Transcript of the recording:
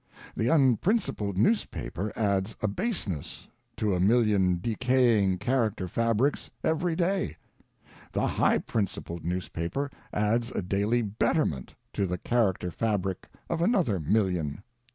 The unprincipled newspaper adds a baseness to a million decaying character fabrics every day; the high principled newspaper adds a daily betterment to the character fabric of another million.